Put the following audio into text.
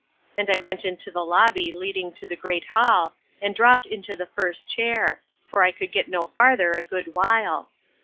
and I went into the lobby leading to the great hall, and dropt into the first chair; for I could get no farther a good while.